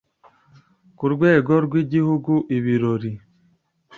Ku rwego rw’Igihugu Ibirori